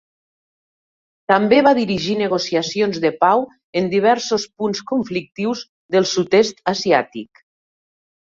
També va dirigir negociacions de pau en diversos punts conflictius del sud-est asiàtic.